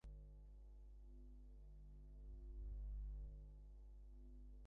কলিকাতায় নিবেদিতার বালিকা বিদ্যালয়টি যেমন করে হোক খাড়া করে দিতে হবে।